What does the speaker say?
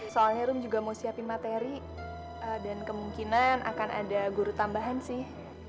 soalnya rum juga mau siapin materi dan kemungkinan akan ada guru tambahan sih